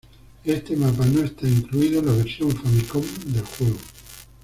Este mapa no está incluido en la versión Famicom del juego.